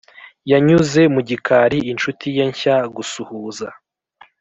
yanyuze mu gikari, inshuti ye nshya gusuhuza,